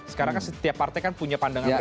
sekarang kan setiap partai kan punya pandangan berbeda